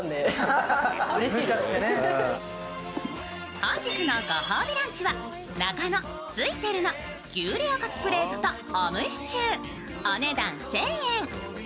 本日のご褒美ランチは中野Ｔｓｕｉ−ｔｅｒｕ！の牛レアカツプレートとオムシチュー、お値段１０００円。